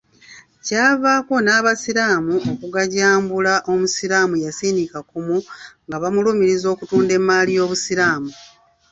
Kyavaako n'abasiraamu okugajambula Omusiraamu Yasin Kakomo nga bamulumiriza okutunda emmaali y'Obusiraamu.